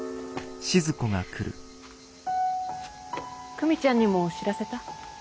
久美ちゃんにも知らせた？